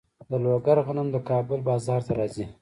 د لوګر غنم د کابل بازار ته راځي.